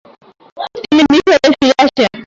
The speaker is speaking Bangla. তিনি মিশরে ফিরে আসেন।